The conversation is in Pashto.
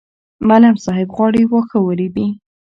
معلم صاحب غواړي واښه ورېبي.